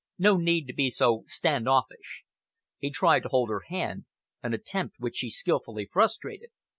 "No need to be so stand offish." He tried to hold her hand, an attempt which she skilfully frustrated.